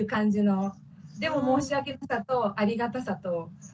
でも申し訳なさとありがたさと。